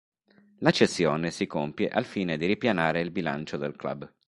La cessione si compie al fine di ripianare il bilancio del club.